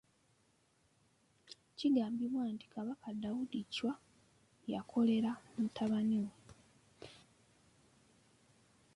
Kigambibwa nti Kabaka Daudi Chwa yakolera mutabani we.